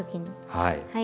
はい。